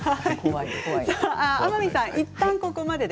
天海さんはいったんここまでで。